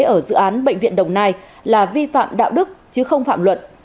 ở dự án bệnh viện đồng nai là vi phạm đạo đức chứ không phạm luận